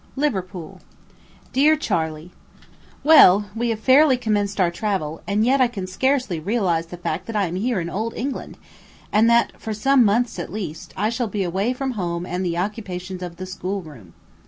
LIVERPOOL. DEAR CHARLEY: Well, we have fairly commenced our travel, and yet I can scarcely realize the fact that I am here in Old England, and that, for some months at least, I shall be away from home and the occupations of the school room.